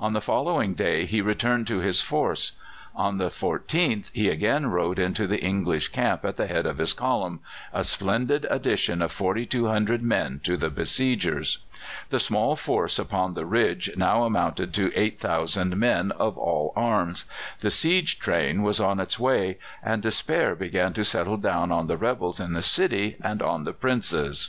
On the following day he returned to his force, On the 14th he again rode into the English camp at the head of his column a splendid addition of 4,200 men to the besiegers. The small force upon the ridge now amounted to 8,000 men of all arms; the siege train was on its way, and despair began to settle down on the rebels in the city and on the Princes.